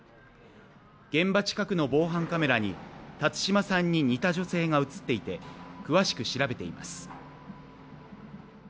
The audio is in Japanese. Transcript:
現場近くの防犯カメラに辰島さんに似た女性が映っていて詳しく調べています。